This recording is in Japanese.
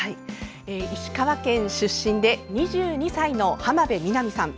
石川県出身で２２歳の浜辺美波さん。